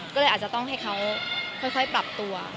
ก็เลยอาจจะต้องให้เขาค่อยปรับตัว